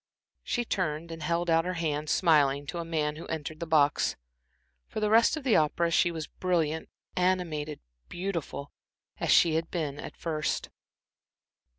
She turned and held out her hand, smiling, to a man who entered the box. For the rest of the opera she was brilliant, animated, beautiful, as she had been at first.